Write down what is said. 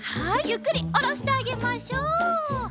ゆっくりおろしてあげましょう。